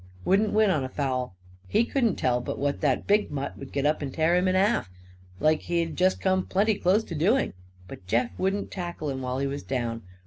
Wouldn't win on a foul. He couldn't tell but what that big mutt would get up and tear him in half, like he'd just come plenty close to doing. But Jeff wouldn't tackle him while he was down.